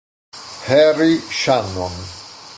Harry Shannon